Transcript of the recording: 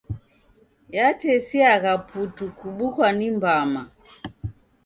Yatesiagha putu kubukwa ni mbama.